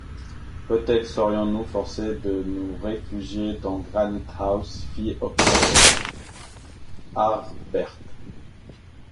Peut-être serons-nous forcés de nous réfugier dans Granite-house? fit observer Harbert.